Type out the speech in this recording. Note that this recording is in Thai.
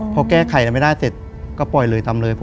พอแก้ไขอะไรไม่ได้เสร็จก็ปล่อยเลยทำเลย